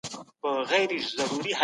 د علومو د تبادلې له لارې پوهه زیاتیږي.